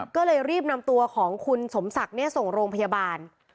ก็เลยรีบนำตัวของคุณสมศักดิ์ส่งโรงพยาบาล